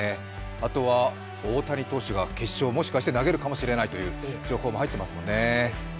あとは大谷投手が決勝、もしかして投げるかもしれないという情報が入ってますもんね。